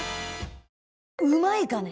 うまいかね？